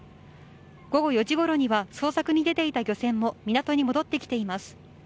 午後４時ごろには捜索に出ていた漁船も港に戻ってきています。